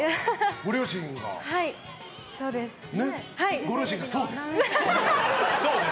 ご両親が、そうです。